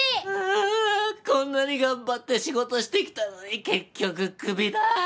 ああこんなに頑張って仕事してきたのに結局クビだ！